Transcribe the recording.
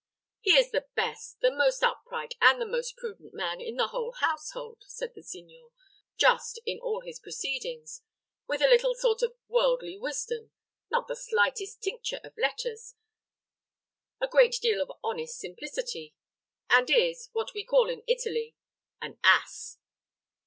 "He is the best, the most upright, and the most prudent man in the whole household," said the signor; "just in all his proceedings, with a little sort of worldly wisdom, not the slightest tincture of letters, a great deal of honest simplicity, and is, what we call in Italy, 'an ass.'"